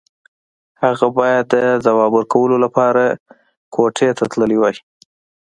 هغه بايد د ځواب ورکولو لپاره کوټې ته تللی وای.